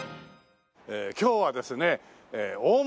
今日はですね大物！